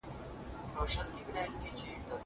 هره لښته به مو آس كړ